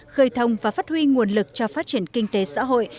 khơi thông và phát huy nguồn lực cho phát triển kinh tế xã hội